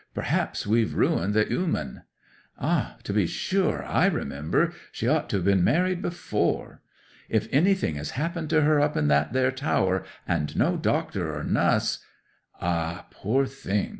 Perhaps we've ruined the 'ooman!" '"Ah—to be sure—I remember! She ought to have been married before." '"If anything has happened to her up in that there tower, and no doctor or nuss—" ('Ah—poor thing!